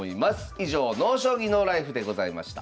以上「ＮＯ将棋ＮＯＬＩＦＥ」でございました。